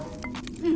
うん。